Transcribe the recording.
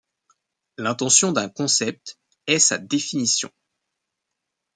L'intension d'un concept est sa définition.